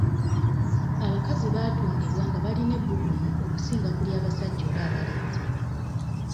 Abakazi baatondebwa nga balina ebbugumu okusinga ku ly'abasajja oba abalenzi.